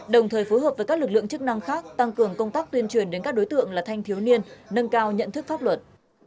đồng thời phối hợp với các lực lượng chức năng khác tăng cường công tác tuyên truyền đến các đối tượng là thanh thiếu niên nâng cao nhận thức pháp luật